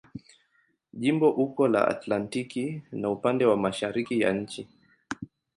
Jimbo uko la Atlantiki na upande wa mashariki ya nchi.